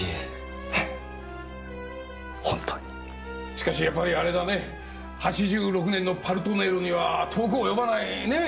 しかしやっぱりあれだね８６年の「パルトネール」には遠く及ばないねぇ